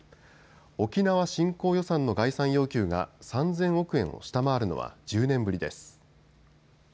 沖縄振興予算の概算要求が３０００億円を下回るのは１０年ぶりです。